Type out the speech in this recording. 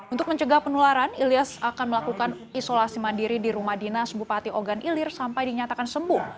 untuk mencegah penularan ilyas akan melakukan isolasi mandiri di rumah dinas bupati ogan ilir sampai dinyatakan sembuh